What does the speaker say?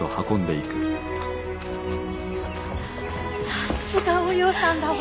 さすがお葉さんだわ。